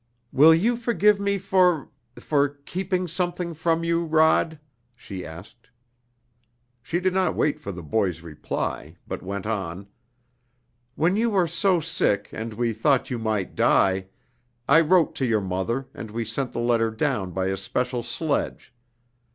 "Will you forgive me for for keeping something from you, Rod?" she asked. She did not wait for the boy's reply, but went on. "When you were so sick, and we thought you might die, I wrote to your mother and we sent the letter down by a special sledge.